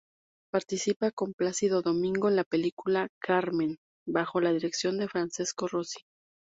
Participa con Placido Domingo en la película "Carmen" bajo la dirección de Francesco Rosi.